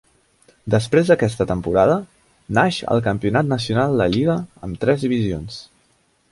Després d'aquesta temporada, naix el campionat nacional de lliga amb tres divisions.